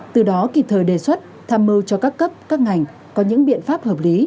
từ đó kịp thời đề xuất tham mưu cho các cấp các ngành có những biện pháp hợp lý